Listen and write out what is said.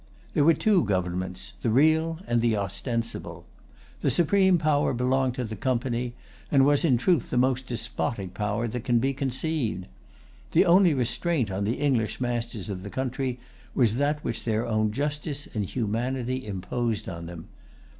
There were two governments, the real and the ostensible. The supreme power belonged to the Company, and was in truth the most despotic power that can be conceived. The only restraint on the English masters of the country was that which their own justice and humanity imposed on them.